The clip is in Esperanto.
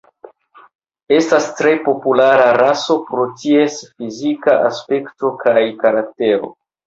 Estas tre populara raso pro ties fizika aspekto kaj karaktero.